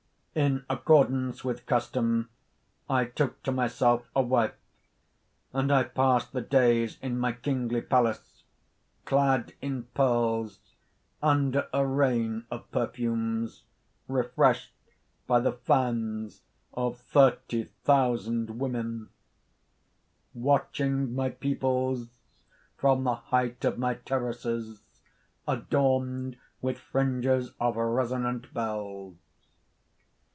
"In accordance with custom, I took to myself a wife; and I passed the days in my kingly palace; clad in pearls, under a rain of perfumes, refreshed by the fans of thirty thousand women, watching my peoples from the height of my terraces adorned with fringes of resonant bells.